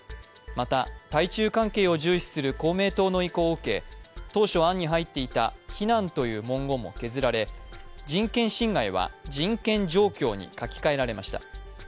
また、対中関係を重視する公明党の意向を受け当初、案に入っていた避難という文言も削られ「人権侵害」は「人権状況」に書き換えられました。